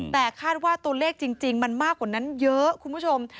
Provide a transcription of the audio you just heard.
แต่คาดว่าตัวเลขจริงมันมากกว่านั้นเยอะคุณผู้ชม